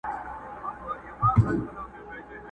په لېمو کي یې ساتمه په ګرېوان اعتبار نسته؛